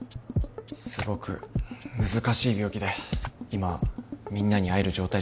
すごく難しい病気で今みんなに会える状態じゃないんだって。